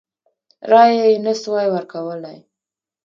رایه یې نه سوای ورکولای.